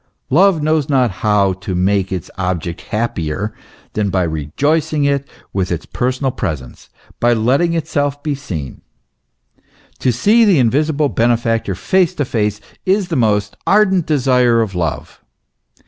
Love knows not how to make its object happier than by rejoicing it with its personal presence, by letting itself be seen. To see the invi sible benefactor face to face is the most ardent desire of love.